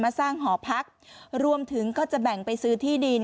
สร้างหอพักรวมถึงก็จะแบ่งไปซื้อที่ดิน